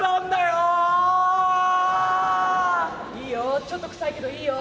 いいよちょっとクサいけどいいよ。